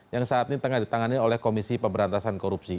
yang saat ini tengah ditangani oleh komisi pemberantasan korupsi